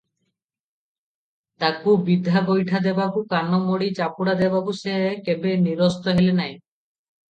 ତାକୁ ବିଧା ଗୋଇଠା ଦେବାକୁ କାନ ମୋଡ଼ି ଚାପୁଡ଼ା ଦେବାକୁ ସେ କେବେ ନିରସ୍ତ ହେଲେ ନାହିଁ ।